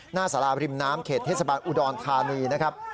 สาราริมน้ำเขตเทศบาลอุดรธานีนะครับ